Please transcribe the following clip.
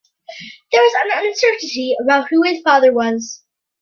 There is uncertainty about who his father was.